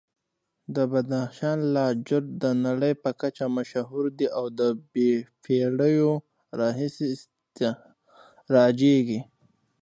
د بدخشان لاجورد د نړۍ په کچه مشهور دي او د پېړیو راهیسې استخراجېږي.